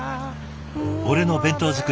俺の弁当作り